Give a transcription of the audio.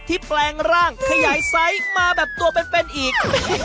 แปลงร่างขยายไซส์มาแบบตัวเป็นอีก